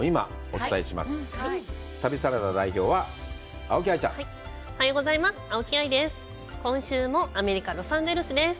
おはようございます。